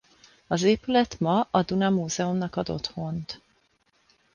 Az épület ma a Duna Múzeumnak ad otthont.